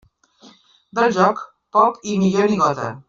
Del joc, poc, i millor ni gota.